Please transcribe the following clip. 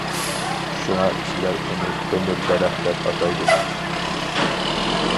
شۇڭا كىشىلەر ئۇنى تۆمۈر دەرەخ دەپ ئاتايدۇ.